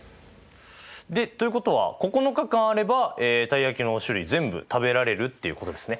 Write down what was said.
ということは９日間あればたい焼きの種類全部食べられるっていうことですね。